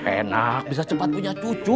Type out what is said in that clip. enak bisa cepat punya cucu